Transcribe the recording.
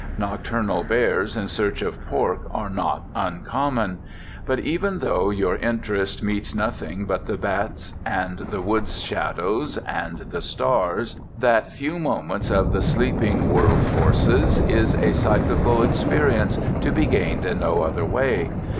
Nocturnal bears in search of pork are not uncommon. But even though your interest meets nothing but the bats and the woods shadows and the stars, that few moments of the sleeping world forces is a psychical experience to be gained in no other way.